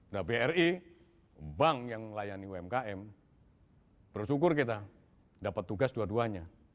nah bri bank yang melayani umkm bersyukur kita dapat tugas dua duanya